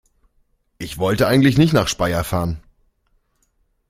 Ich wollte eigentlich nicht nach Speyer fahren